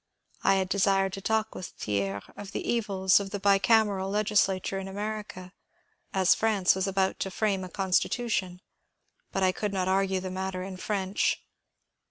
I had desired to talk with Thiers of the evils of the bicameral legislature in America, — as France was about to frame a constitution, — but I could not argue the matter in French.